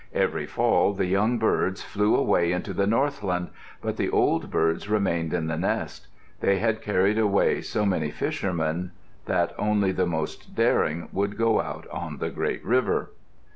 Every fall the young birds flew away into the northland, but the old birds remained in the nest. They had carried away so many fishermen that only the most daring would go out on the great river.